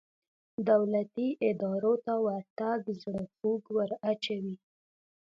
دولتي ادارو ته ورتګ زړه خوږ وراچوي.